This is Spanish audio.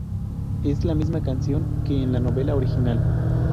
Es la misma canción que en la novela original.